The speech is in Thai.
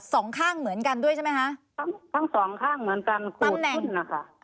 สองข้างเหมือนกันด้วยใช่ไหมคะทั้งสองข้างเหมือนกันตั้งขึ้นนะคะ